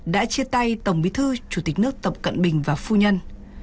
đã chia tay tổng bí thư chủ tịch nước tập cận bình và phu nhân